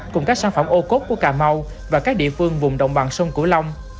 cùng các sản phẩm ô cốt của cà mau và các địa phương vùng đồng bằng sông cửu long